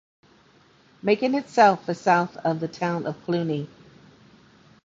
Macon itself is south of the town of Cluny.